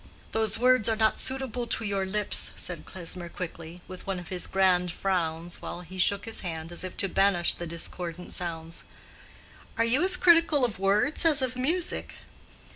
"Those words are not suitable to your lips," said Klesmer, quickly, with one of his grand frowns, while he shook his hand as if to banish the discordant sounds. "Are you as critical of words as of music?"